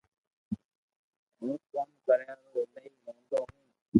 ھون ڪوم ڪريا رو ايلائي مودو ھون